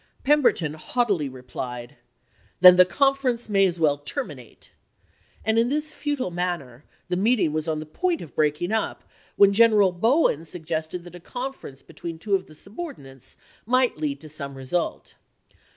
Pember ton haughtily replied, " Then the conference may as well terminate "; and in this futile manner the meeting was on the point of breaking up, when G eneral Bowen suggested that a conference be tween two of the subordinates might lead to some result.